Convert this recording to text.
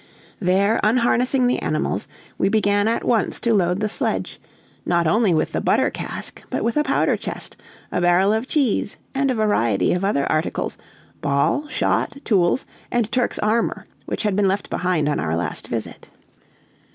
There unharnessing the animals, we began at once to load the sledge, not only with the butter cask, but with a powder chest, a barrel of cheese, and a variety of other articles ball, shot, tools, and Turk's armor, which had been left behind on our last visit.